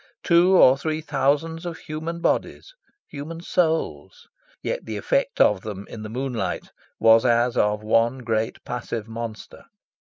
Two or three thousands of human bodies, human souls? Yet the effect of them in the moonlight was as of one great passive monster.